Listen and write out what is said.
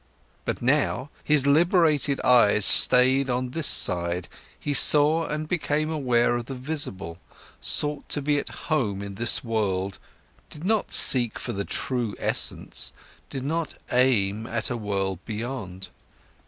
But now, his liberated eyes stayed on this side, he saw and became aware of the visible, sought to be at home in this world, did not search for the true essence, did not aim at a world beyond.